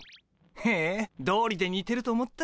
へえどうりでにてると思った。